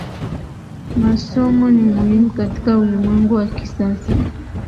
Masomo ni muhimu katika ulimwengu wa kisasa